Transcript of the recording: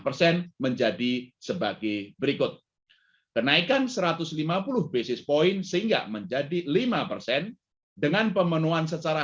persen menjadi sebagai berikut kenaikan satu ratus lima puluh basis point sehingga menjadi lima persen dengan pemenuhan secara